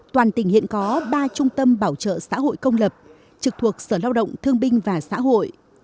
toàn tỉnh hiện có ba trung tâm bảo trợ xã hội công lập trực thuộc sở lao động thương binh và xã hội